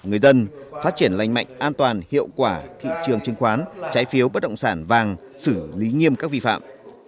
người dân phát triển lành mạnh an toàn hiệu quả thị trường chứng khoán trái phiếu bất động sản vàng xử lý nghiêm các vi phạm